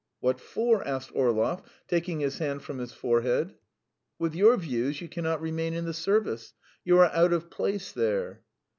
"What for?" asked Orlov, taking his hand from his forehead. "With your views you cannot remain in the service. You are out of place there."